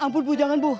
ampun bu jangan bu